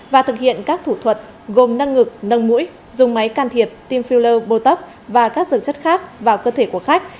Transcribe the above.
và thực hiện các thủ thuật gồm nâng ngực nâng mũi dùng máy can thiệp tim filler bô tóc và các dược chất khác vào cơ thể của khách